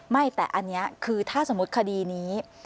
ไม่แต่อันนี้คือถ้าสมมุติคดีนี้